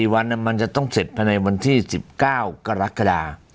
วันมันจะต้องเสร็จภายในวันที่๑๙กรกฎา